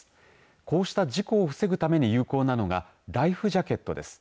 こうした事故を防ぐために有効なのがライフジャケットです。